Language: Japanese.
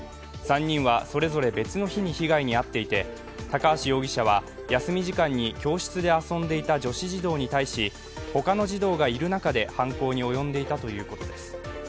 ３人はそれぞれ別の日に被害に遭っていて高橋容疑者は休み時間に教室で遊んでいた女子児童に対し他の児童がいる中で犯行に及んでいたということです。